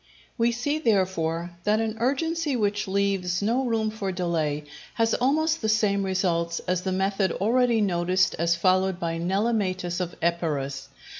We see, therefore, that an urgency which leaves no room for delay has almost the same results as the method already noticed as followed by Nelematus of Epirus.